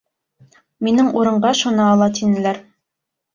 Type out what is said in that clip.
Минең урынға шуны ала, тинеләр.